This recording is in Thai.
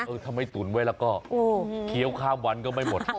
ทำไมตุ๋นไว้แล้วก็เคี้ยวข้ามวันก็ไม่หมด